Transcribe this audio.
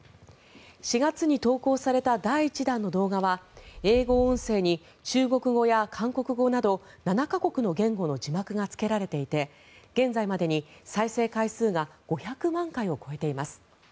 ４月に投稿された第１弾の動画は英語音声に中国語や韓国語など７か国の言語の字幕がつけられていて現在までに再生回数が５００万回を超えています。